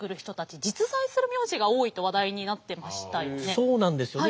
そうなんですよね。